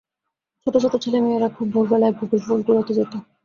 ছোট-ছোট ছেলেমেয়েরা খুব ভোরবেলায় বকুল ফুল কুড়াতে যেত।